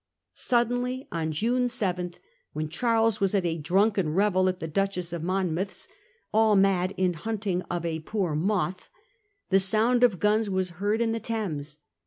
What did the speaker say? Suddenly, on June 7, when Charles was at a drunken revel at the Duchess of Monmouth's, ' all mad in hunting of a poor moth,' the sound of guns was heard in the Thames.